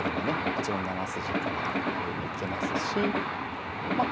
もちろん７筋から歩行けますしまあ